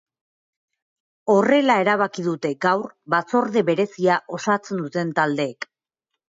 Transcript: Horrela erabaki dute gaur batzorde berezia osatzen duten taldeek.